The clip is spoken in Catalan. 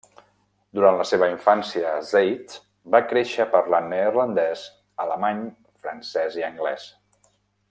Durant la seva infància a Zeist va créixer parlant neerlandès, alemany, francès i anglès.